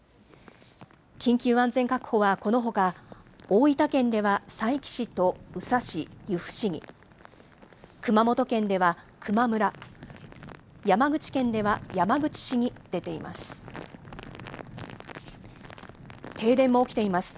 緊急安全確保はこのほか、大分県では佐伯市と宇佐市、由布市に、熊本県では球磨村、山口県では山口市に出ています。